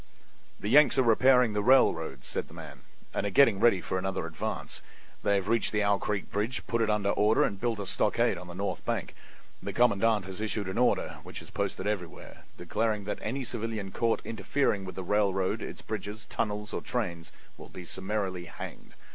"The Yanks are repairing the railroads," said the man, "and are getting ready for another advance. They have reached the Owl Creek bridge, put it in order and built a stockade on the north bank. The commandant has issued an order, which is posted everywhere, declaring that any civilian caught interfering with the railroad, its bridges, tunnels, or trains will be summarily hanged.